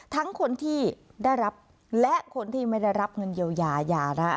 ทั้งคนที่ได้รับและคนที่ไม่ได้รับเงินเยียวยายาระ